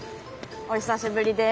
お久しぶりです。